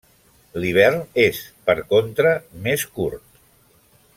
L'hivern és, per contra, més curt.